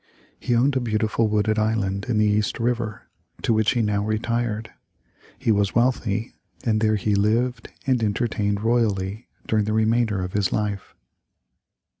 He owned a beautiful wooded island in the East River, to which he now retired. He was wealthy, and there he lived and entertained royally during the remainder of his life.